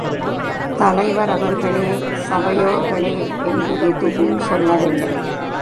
தலைவர் அவர்களே, சபையோர்களே என்று எதுவும் சொல்லவில்லை.